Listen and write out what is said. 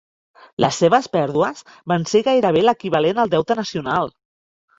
Les seves pèrdues van ser gairebé l'equivalent al deute nacional.